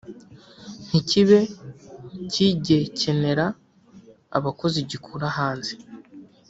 ntikibe kigekenera abakozi gikura hanze”